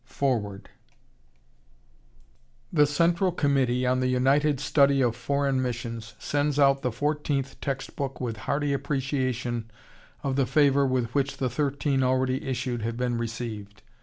FOREWORD The Central Committee on the United Study of Foreign Missions sends out the fourteenth text book with hearty appreciation of the favor with which the thirteen already issued have been received.